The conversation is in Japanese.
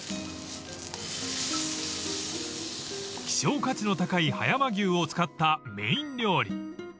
［希少価値の高い葉山牛を使ったメーン料理］